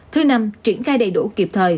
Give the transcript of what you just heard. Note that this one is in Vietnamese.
thứ năm triển khai đầy đủ kịp thời